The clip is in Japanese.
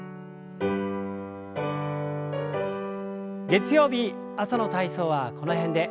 月曜日朝の体操はこの辺で。